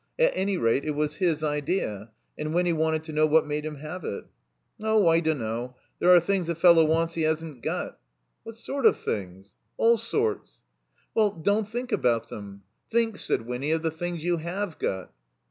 At any rate, it was his idea. And Winny wanted to know what made him have it. "Oh, I dunno. There are things a fellow wants he hasn't got." "What sort of things?" "AU sorts." "Well— don't think about them. Think," said Winny, "of the things you have got."